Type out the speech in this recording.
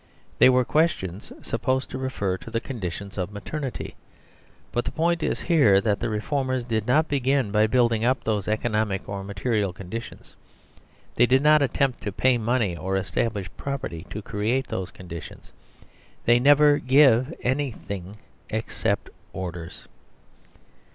They were questions supposed to refer to the conditions of maternity; but the point is here that the reformers did not begin by building up those economic or material conditions. They did not attempt to pay money or establish property to create those conditions. They never give anything except orders.